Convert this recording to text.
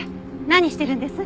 何してるんです？